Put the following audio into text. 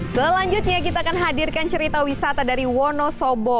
selanjutnya kita akan hadirkan cerita wisata dari wonosobo